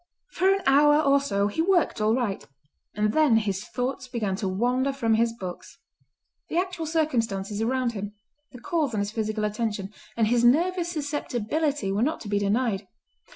For an hour or so he worked all right, and then his thoughts began to wander from his books. The actual circumstances around him, the calls on his physical attention, and his nervous susceptibility were not to be denied.